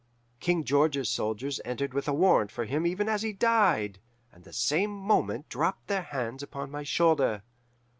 "King George's soldiers entered with a warrant for him even as he died, and the same moment dropped their hands upon my shoulder.